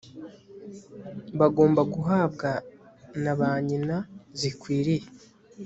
bagomba guhabwa na ba nyina zikwiriye